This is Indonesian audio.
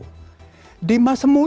barangkali dia ingin memperoleh unga unia